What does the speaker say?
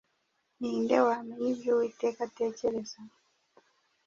Ni nde wamenya ibyo Uwiteka atekereza?